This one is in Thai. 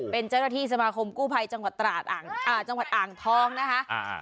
เป็นเจ้าหน้าที่สมาคมกู้ภัยจังหวัดอ่างทองนะคะ